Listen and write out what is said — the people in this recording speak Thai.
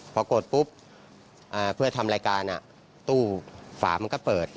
พอกดปุ๊บเพื่อทำรายการตู้ฝามันก็เปิด